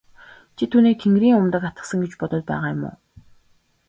Чи түүнийг тэнгэрийн умдаг атгасан гэж бодоод байгаа юм уу?